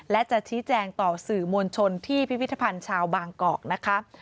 และจะชี้แจงต่อสื่อมวลชนที่พิพิธภัณฑ์ชาวบางกอกนะคะ